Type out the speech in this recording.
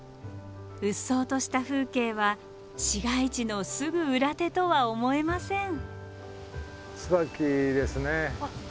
うっそうとした風景は市街地のすぐ裏手とは思えません。